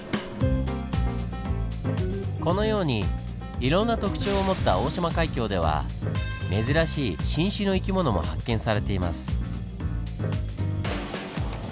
このようにいろんな特徴を持った大島海峡では珍しい新種の生き物も発見されています。